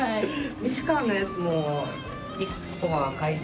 西川のやつも１個は買いたいな。